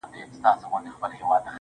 گراني فريادي دي بـېــگـــاه وويل_